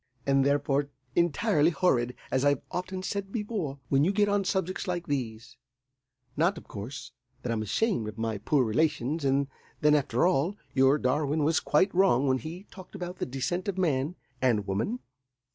"And, therefore, entirely horrid, as I've often said before, when you get on subjects like these. Not, of course, that I'm ashamed of my poor relations; and then, after all, your Darwin was quite wrong when he talked about the descent of man and woman.